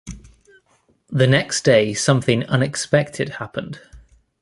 The next day something unexpected happened.